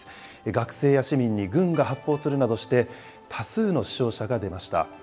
学生や市民に軍が発砲するなどして、多数の死傷者が出ました。